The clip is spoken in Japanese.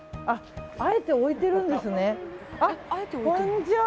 あえて置いてるんですね。